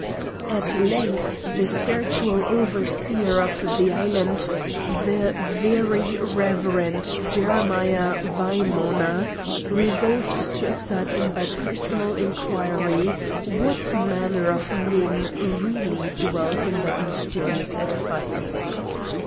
At length the spiritual overseer of the island, the Very Reverend Jeremiah Waimœner, resolved to ascertain by personal inquiry what manner of men really dwelt in that mysterious edifice.